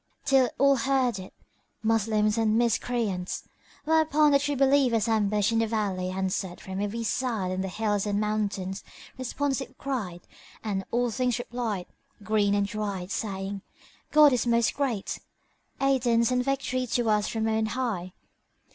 till all heard it, Moslems and Miscreants. Whereupon the True Believers ambushed in the valley answered from every side and the hills and mountains responsive cried and all things replied, green and dried, saying, "God is Most Great! Aidance and Victory to us from on High!